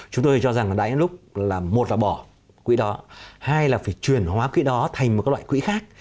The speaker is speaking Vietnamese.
chúng tôi cho rằng là đáng lúc là một là bỏ quỹ đó hai là phải truyền hóa quỹ đó thành một loại quỹ khác